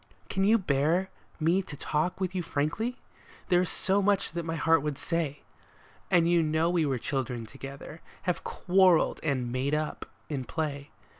Can you bear me to talk with you frankly ? There is much that my heart would say, And you know we were children together, have quarreled and " made up " in play.